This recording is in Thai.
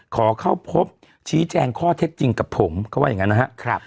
ขอเข้าพบชี้แจงข้อเท็จจริงกับผมเขาว่าอย่างนั้นนะครับ